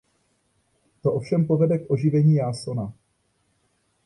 To ovšem povede k oživení Jasona.